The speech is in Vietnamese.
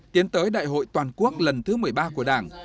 tiến tới đại hội toàn quốc lần thứ một mươi ba của đảng